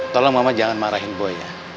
tolong mama jangan marahin boy ya